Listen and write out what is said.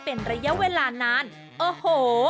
เป็นระยะเวลานานโอ้โห